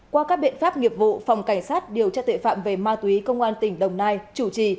qua các biện pháp nghiệp vụ phòng cảnh sát điều tra tuệ phạm về ma túy công an tỉnh đồng nai chủ trì